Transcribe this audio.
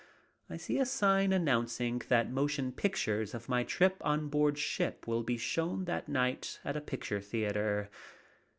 I see a sign announcing that motion pictures of my trip on board ship will be shown that night at a picture theater.